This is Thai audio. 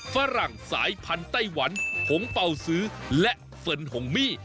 ฝรั่งสายพันธุ์ไต้หวันผงเป่าซื้อและเฟิร์นหงมี่